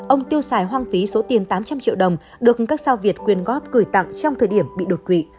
ông tiêu xài hoang phí số tiền tám trăm linh triệu đồng được các sao việt quyên góp gửi tặng trong thời điểm bị đột quỵ